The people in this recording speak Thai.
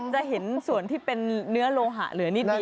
จะเห็นส่วนที่เป็นเนื้อโลหะเหลือนิดนึ